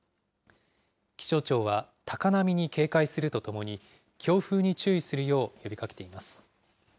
気象庁は、高波に警戒するとともに、強風に注意するよう呼びかけています。